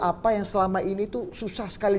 apa yang selama ini tuh susah sekali